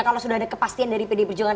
kalau sudah ada kepastian dari pdi perjuangan